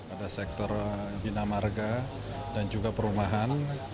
ada sektor dinamarga dan juga perumahan